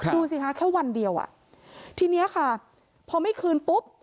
ดูสิคะแค่วันเดียวอ่ะทีนี้ค่ะพอไม่คืนปุ๊บ